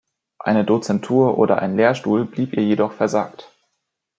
Eine Dozentur oder ein Lehrstuhl blieb ihr jedoch versagt.